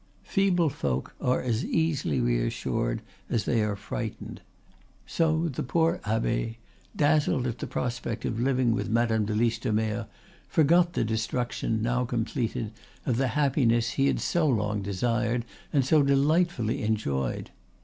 Feeble folk are as easily reassured as they are frightened. So the poor abbe, dazzled at the prospect of living with Madame de Listomere, forgot the destruction, now completed, of the happiness he had so long desired, and so delightfully enjoyed.